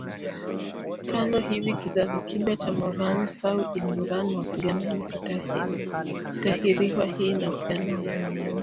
tano hivi kizazi kipya cha Morans au Ilmurran wapiganaji kitatahiriwa Hii inahusisha wavulana wengi